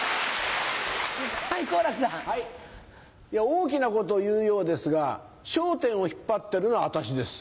大きなことを言うようですが『笑点』を引っ張ってるのは私です。